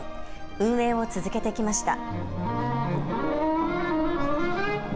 運営を続けてきました。